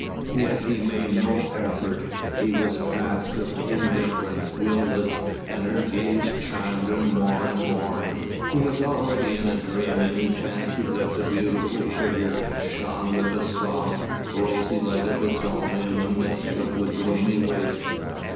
Yet he made no effort. He was passive, indifferent, will less, and her gaze charmed him more and more. He was already in a dream, and he fancied that the beautiful figure shone with a soft, rosy light of its own in the midst of the gloomy waste.